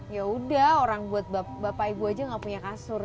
ya udah orang buat bapak ibu aja nggak punya kasur